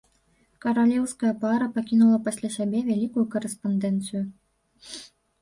Каралеўская пара пакінула пасля сябе вялікую карэспандэнцыю.